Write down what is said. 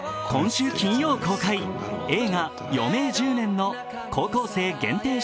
今週金曜公開、映画「余命１０年」の高校生限定